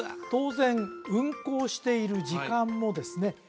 当然運行している時間もですね